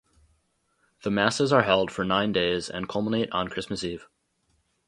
The masses are held for nine days and culminate on Christmas Eve.